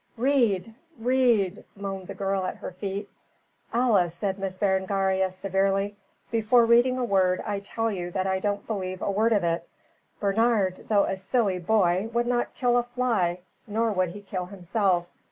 "Read! Read!" moaned the girl at her feet. "Alice," said Miss Berengaria, severely, "before reading a word I tell you that I don't believe a word of it. Bernard, though a silly boy, would not kill a fly, nor would he kill himself.